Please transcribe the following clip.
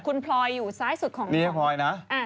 คุณพลอยอยู่ซ้ายสุดของมือเรา